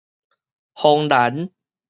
芳蘭